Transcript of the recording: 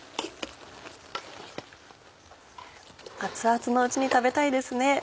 熱々のうちに食べたいですね。